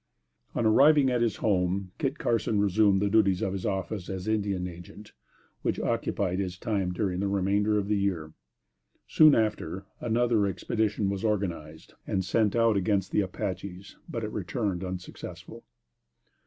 On arriving at his home, Kit Carson resumed the duties of his office as Indian Agent, which occupied his time during the remainder of the year. Soon after, another expedition was organized and sent out against the Apaches, but it returned unsuccessful.